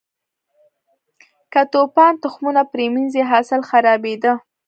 که توپان تخمونه پرې منځي، حاصل خرابېده.